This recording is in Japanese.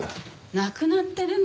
亡くなってるの。